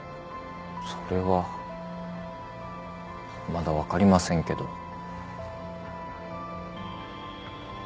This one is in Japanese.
それはまだ分かりませんけど。